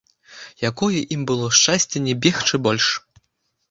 Якое ім было шчасце не бегчы больш!